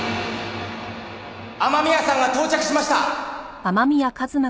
雨宮さんが到着しました。